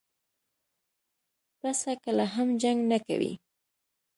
پسه کله هم جنګ نه کوي.